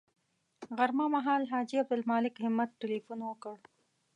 غرمه مهال حاجي عبدالمالک همت تیلفون وکړ.